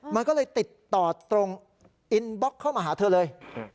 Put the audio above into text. มันก็เลยติดต่อตรงอินบล็อกเข้ามาหาเธอเลย